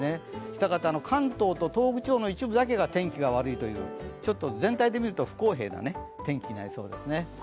したがって関東と東北地方の一部だけが天気が悪いというちょっと全体で見ると不公平な天気になりそうですね。